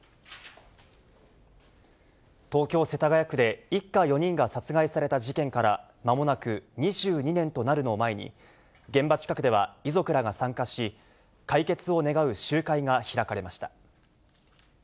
東京・世田谷区で、一家４人が殺害された事件からまもなく２２年となるのを前に、現場近くでは遺族らが参加し、解決を願う集会が開かれました。